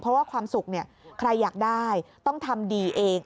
เพราะว่าความสุขใครอยากได้ต้องทำดีเอง